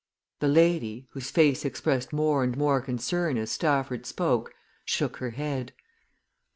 The landlady, whose face expressed more and more concern as Stafford spoke, shook her head.